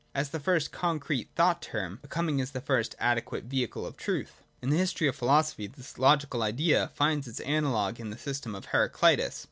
As the first concrete thought term, Becoming is the first adequate vehicle of truth. In the history of philosophy, this stage of the logical Idea finds its analogue in the system of Heraclitus.